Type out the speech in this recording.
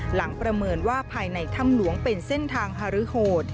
หลังประเมินว่าภายในถ้ำหลวงเป็นเส้นทางฮรษฐศ